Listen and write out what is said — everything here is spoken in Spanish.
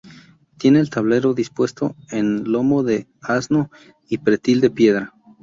Tiene el tablero dispuesto en lomo de asno y pretil de piedra.